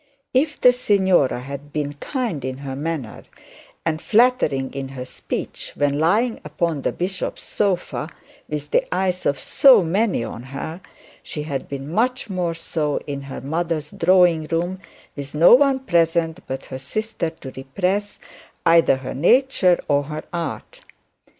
If the signora had been kind in her manner, and flattering in her speech when lying upon the bishop's sofa, with the eyes of so many on her, she had been much more so in her mother's drawing room, with no one present but her sister to repress either her nature or her art.